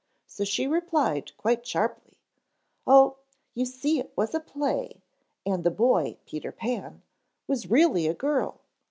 So she replied quite sharply, "Oh, you see it was a play, and the boy, Peter Pan, was really a girl.